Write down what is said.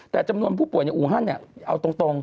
แต่จำนวนผู้ป่วยในอูฮันเนี่ยเอาตรง